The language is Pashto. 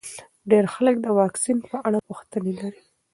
ډېر خلک د واکسین په اړه پوښتنې لري.